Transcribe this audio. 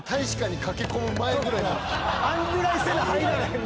あんぐらいせな入られへん。